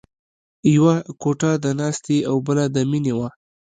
یوه کوټه د ناستې او بله د مینې وه